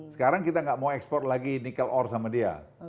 sekarang kita nggak mau ekspor lagi nikel ore sama dia